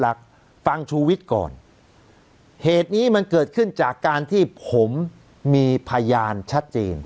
ฟังชูวิทย์ก่อนเหตุนี้มันเกิดขึ้นจากการที่ผมมีพยานชัดเจน